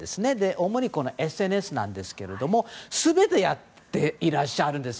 主にＳＮＳなんですけど全てやっていらっしゃるんです。